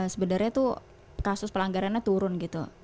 sebenarnya tuh kasus pelanggarannya turun gitu